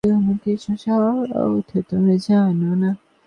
হ্যাঁ, মানে না।